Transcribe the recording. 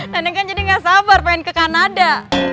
neneng kan jadi gak sabar pengen ke kanada